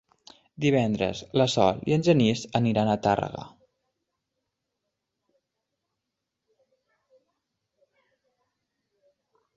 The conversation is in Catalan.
Divendres na Sol i en Genís aniran a Tàrrega.